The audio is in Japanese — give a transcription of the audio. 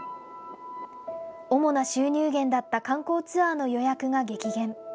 主な収入源だった観光ツアーの予約が激減。